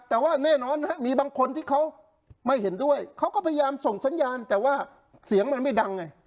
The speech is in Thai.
แต่ว่าแน่นอนมีบางคนที่เขาไม่เห็นด้วยเขาก็พยายามส่งสัญญาณแต่ว่าเสียงมันไม่ดังไง